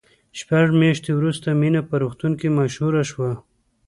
شپږ میاشتې وروسته مینه په روغتون کې مشهوره شوه